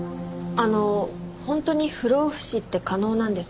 あの本当に不老不死って可能なんですか？